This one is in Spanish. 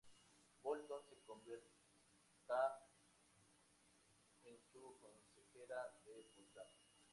Bolton se convierta en su consejera de posgrado.